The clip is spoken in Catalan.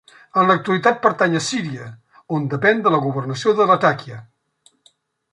En l'actualitat pertany a Síria, on depèn de la Governació de Latakia.